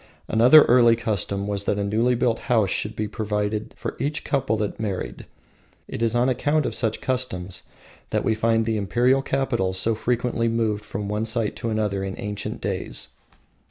Another early custom was that a newly built house should be provided for each couple that married. It is on account of such customs that we find the Imperial capitals so frequently removed from one site to another in ancient days.